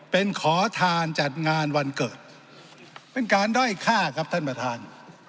เป็นขอทานจัดงานวันเกิดเป็นการด้อยค่าครับท่านประธาน